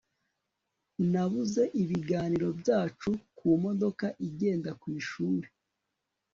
nabuze ibiganiro byacu ku modoka igenda ku ishuri